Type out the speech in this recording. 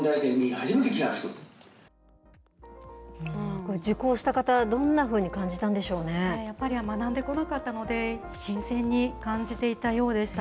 これ、受講した方、やっぱり、学んでこなかったので、新鮮に感じていたようでした。